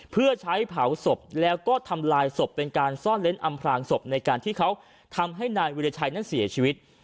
เพื่อใช้เผาศพแล้วก็ทำลายศพเป็นการซ่อนเล้นอำพลางศพในการที่เขาทำให้นายวิรชัยนั้นเสียชีวิต